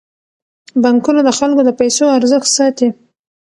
بانکونه د خلکو د پيسو ارزښت ساتي.